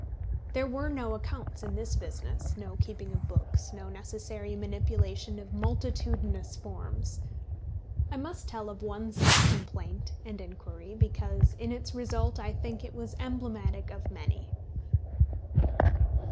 There were no accounts in this business, no keeping of books, no necessary manipulation of multitudinous forms. I must tell of one such complaint and inquiry, because in its result I think it was emblematic of many.